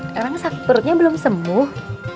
karena sakit perutnya belum semuh